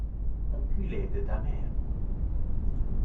Enculé de ta mere